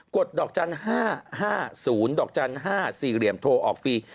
กดดอกจันทร์๕๕๐๕๔โทรออกฟรี